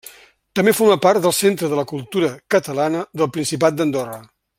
També forma part del Centre de la Cultura Catalana del Principat d'Andorra.